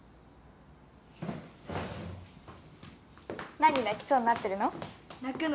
なに泣きそうになってるの？